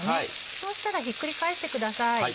そうしたらひっくり返してください。